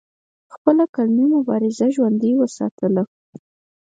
خپله قلمي مبارزه ژوندۍ اوساتله